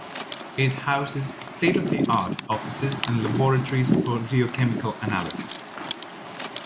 It houses state-of-the-art offices and laboratories for geochemical analysis.